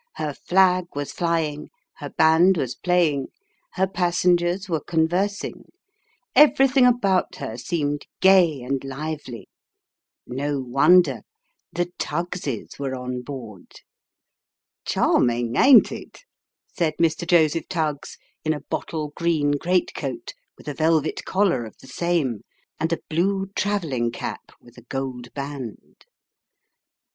Her flag was flying, her band was playing, her passengers were conversing ; everything about her seemed gay and lively. No wonder the Tuggs's were on board. " Charming, ain't it ?" said Mr. Joseph Tuggs, in a bottle green great coat, with a velvet collar of the same, and a blue travelling cap with a gold band.